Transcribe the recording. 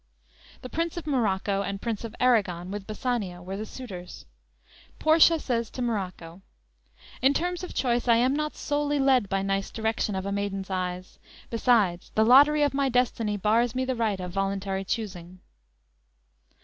The Prince of Morocco and Prince of Arragon, with Bassanio, were the suitors. Portia says to Morocco: _"In terms of choice I am not solely led By nice direction of a maiden's eyes; Besides, the lottery of my destiny Bars me the right of voluntary choosing."